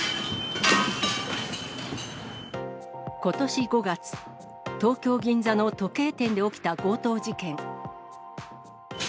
ことし５月、東京・銀座の時計店で起きた強盗事件。